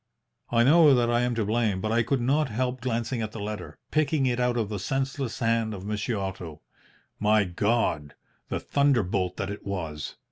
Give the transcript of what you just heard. "I know that I am to blame, but I could not help glancing at the letter, picking it out of the senseless hand of Monsieur Otto. My God! the thunderbolt that it was!